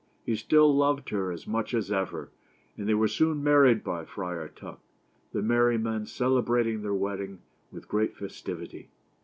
He still loved her as much as ever, and they were soon married by Friar Tuck, the merry men celebrating their wedding with great festivity.